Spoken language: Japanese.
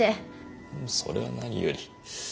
それは何より。